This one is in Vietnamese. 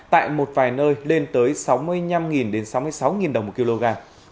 tại một vài nơi lên tới sáu mươi năm đến sáu mươi sáu đồng một kg